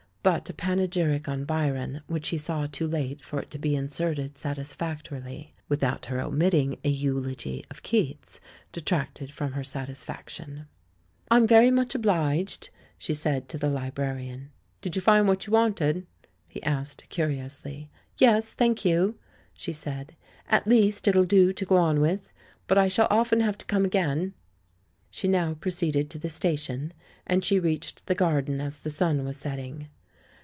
But a panegyric on Byron, which she saw too late for it to be inserted satisfactorily, without her omitting a eulogy of Keats, detracted from her satisfaction. "I'm very much obliged/* she said to the li brarian. "Did you find what you wanted?" he asked curiously. "Yes, thank you," she said; "at least, it'll do to go on with. But I shall often have to come again." She now proceeded to the station, and she reached the garden as the sun was setting.